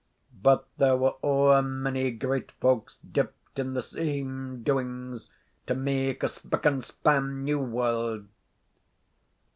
But there were ower mony great folks dipped in the same doings to make a spick and span new warld.